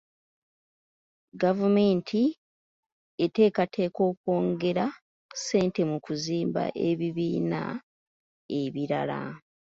Gavumenti eteekateeka okwongera ssente mu kuzimba ebibiina ebirala.